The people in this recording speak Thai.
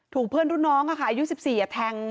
เพื่อนรุ่นน้องอายุ๑๔แทง